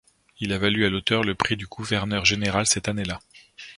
Il a valu à l'auteur le Prix du Gouverneur général cette année-là.